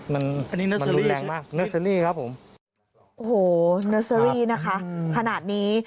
อันนี้เนอร์เซอรี่แรงมากเนอร์เซอรี่ครับผมโอ้โหเนอร์เซอรี่นะคะขนาดนี้